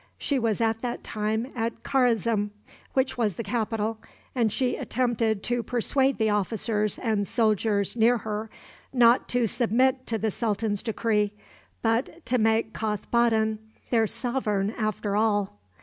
She was at that time at Karazm, which was the capital, and she attempted to persuade the officers and soldiers near her not to submit to the sultan's decree, but to make Kothboddin their sovereign after all.